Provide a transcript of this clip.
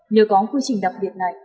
nếu có quy trình đặc biệt này